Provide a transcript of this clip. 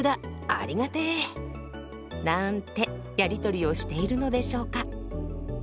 ありがてえ！なんてやり取りをしているのでしょうか。